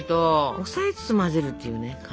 押さえつつ混ぜるっていうね感じ。